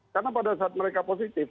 karena pada saat mereka positif